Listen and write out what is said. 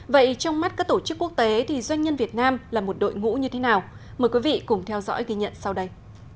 vậy trong mắt các tổ chức quốc tế thì doanh nhân việt nam là một đội ngũ như thế nào mời quý vị cùng theo dõi ghi nhận sau đây